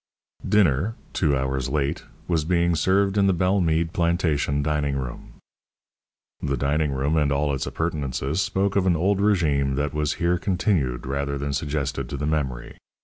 Dinner, two hours late, was being served in the Bellemeade plantation dining room. The dining room and all its appurtenances spoke of an old regime that was here continued rather than suggested to the memory.